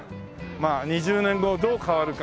まあ２０年後どう変わるか。